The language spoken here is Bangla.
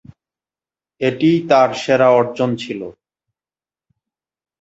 এটিই তার সেরা অর্জন ছিল।